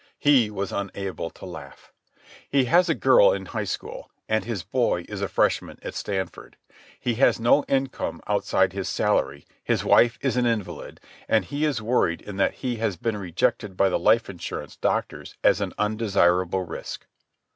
He was unable to laugh. He has a girl in high school, and his boy is a freshman at Stanford. He has no income outside his salary, his wife is an invalid, and he is worried in that he has been rejected by the life insurance doctors as an undesirable risk.